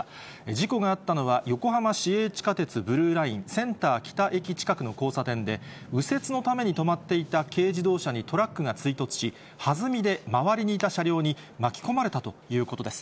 事故があったのは、横浜市営地下鉄ブルーライン、センター北駅近くの交差点で、右折のために止まっていた軽自動車にトラックが追突し、はずみで周りにいた車両に巻き込まれたということです。